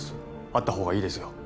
会ったほうがいいですよ